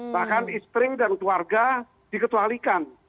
bahkan istri dan keluarga dikecualikan